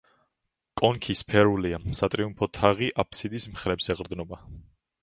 კონქი სფერულია, სატრიუმფო თაღი აბსიდის მხრებს ეყრდნობა.